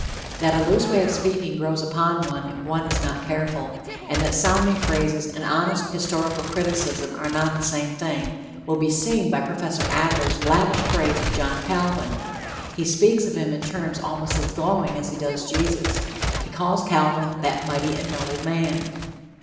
That a loose way of speaking grows upon one if one is not careful, and that sounding phrases and honest historical criticism are not the same thing, will be seen by Prof. Adler's lavish praise of John Calvin. He speaks of him in terms almost as glowing as he does of Jesus. He calls Calvin "that mighty and noble man."